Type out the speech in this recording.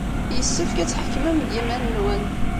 Yessefk ad tḥekmem deg yiman-nwen.